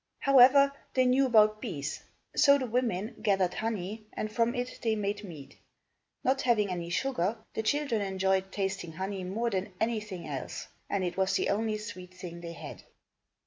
However, they knew about bees. So the women gathered honey and from it they made mead. Not having any sugar, the children enjoyed tasting honey more than anything else, and it was the only sweet thing they had.